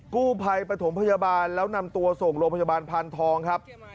กู้ภัยปฐมพยาบาลแล้วนำตัวส่งโรงพยาบาลพานทองครับ